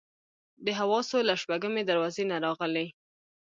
د حواسو له شپږمې دروازې نه راغلي.